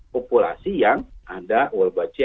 populasi yang ada wolbachia